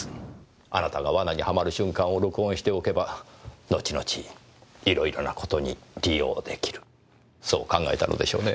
あなたが罠にはまる瞬間を録音しておけば後々いろいろな事に利用出来るそう考えたのでしょうね。